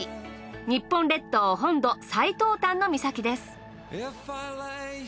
日本列島本土最東端の岬です。